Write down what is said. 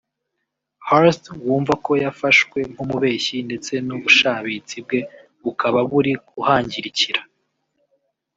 Harth wumva ko yafashwe nk’umubeshyi ndetse n’ubushabitsi bwe bukaba buri kuhangirikira